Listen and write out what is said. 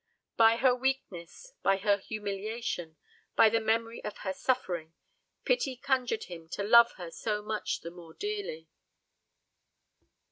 By her weakness, by her humiliation, by the memory of her suffering, Pity conjured him to love her so much the more dearly.